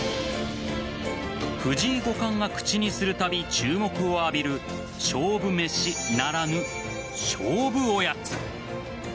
藤井五冠が口にするたび注目を浴びる勝負めしならぬ勝負おやつ。